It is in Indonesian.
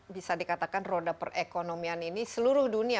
bisa dikatakan roda perekonomian ini seluruh dunia